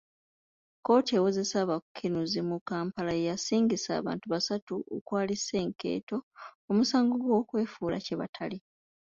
kkooti ewozesa abakenuzi mu Kampala yasingisa abantu basatu okwali Senkeeto, omusango gw'okwefuula kye batali.